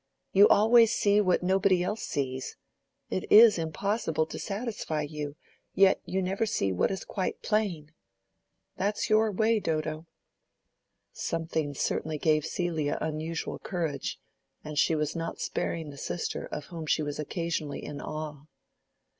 You always see what nobody else sees; it is impossible to satisfy you; yet you never see what is quite plain. That's your way, Dodo." Something certainly gave Celia unusual courage; and she was not sparing the sister of whom she was occasionally in awe.